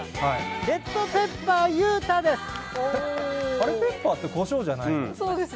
レッドペッパー裕太です。